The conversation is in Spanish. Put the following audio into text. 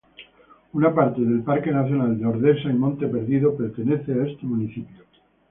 Una parte del Parque Nacional de Ordesa y Monte Perdido pertenece a este municipio.